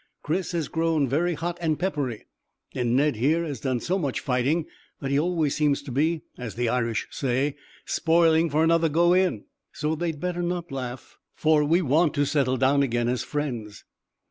"Chris has grown very hot and peppery, and Ned here has done so much fighting that he always seems to be, as the Irish say, spoiling for another go in. So they'd better not laugh, for we want to settle down again as friends."